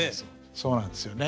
そうなんですよね。